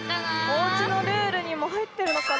おうちのルールにもはいってるのかな？